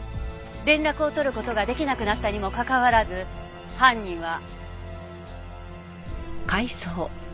連絡を取る事ができなくなったにもかかわらず犯人は。